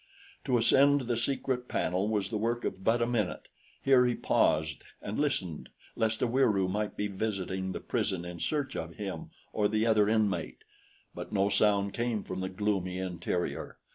To ascend to the secret panel was the work of but a minute. Here he paused and listened lest a Wieroo might be visiting the prison in search of him or the other inmate; but no sound came from the gloomy interior.